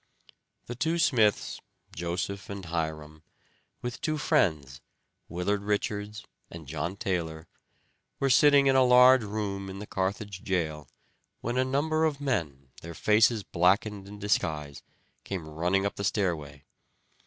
The two Smiths, Joseph and Hyrum, with two friends, Willard Richards and John Taylor, were sitting in a large room in the Carthage jail when a number of men, their faces blackened in disguise, came running up the stairway.